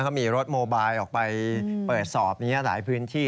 เขามีรถโมบายออกไปเปิดสอบนี้หลายพื้นที่